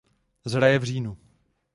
Zraje v říjnu.